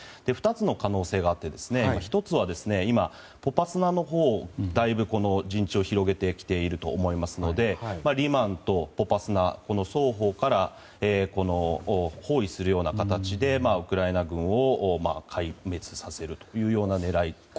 ２つの可能性があって１つは今、ポパスナのほうへだいぶ陣地を広げてきていると思いますのでリマンとポパスナ双方から包囲するような形でウクライナ軍を壊滅させるという狙い。